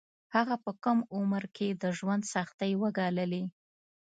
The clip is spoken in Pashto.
هغه په کم عمر کې د ژوند سختۍ وګاللې